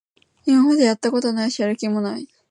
今までやったことないし、やる気もない